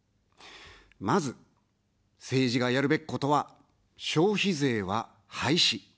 まず、政治がやるべきことは、消費税は廃止。